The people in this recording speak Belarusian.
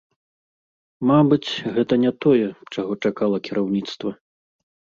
Мабыць, гэта не тое, чаго чакала кіраўніцтва.